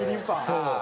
そう。